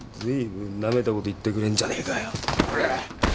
ずいぶんなめたこと言ってくれんじゃねえかよ。